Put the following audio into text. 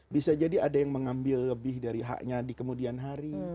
bisa jadi ada yang mengambil lebih dari haknya di kemudian hari